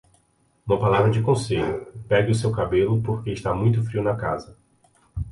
Uma palavra de conselho, pegue o seu cabelo porque está muito frio na casa.